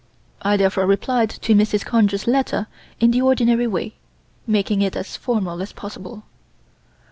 I therefore replied to Mrs. Conger's letter in the ordinary way, making it as formal as possible.